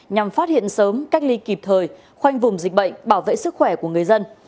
nhằm phát hiện sớm cách ly kịp thời khoanh vùng dịch bệnh bảo vệ sức khỏe của người dân